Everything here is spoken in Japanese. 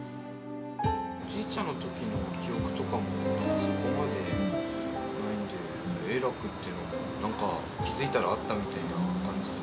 おじいちゃんとの記憶はそこまでないんで、栄楽っていうのも、なんか気付いたらあったみたいな感じで。